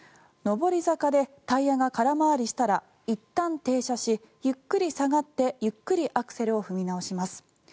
上り坂でタイヤが空回りしたらいったん停車しゆっくり下がってゆっくりアクセルを踏み直します。